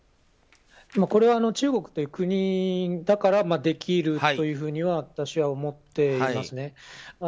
これは中国という国だからできるというふうに私は思っていますね。